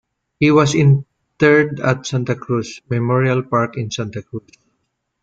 He was interred at Santa Cruz Memorial Park in Santa Cruz.